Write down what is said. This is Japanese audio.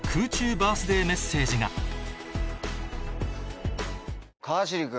バースデーメッセージが川尻君。